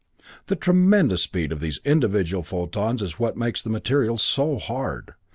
The tremendous speed of these individual photons is what makes the material so hard.